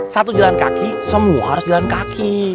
satu jalan kaki semua harus jalan kaki